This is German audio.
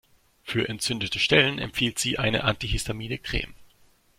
Für entzündete Stellen empfiehlt sie eine antihistamine Creme.